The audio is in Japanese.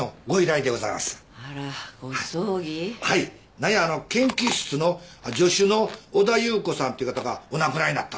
何や「研究室の助手の小田夕子さん」って方がお亡くなりになったって。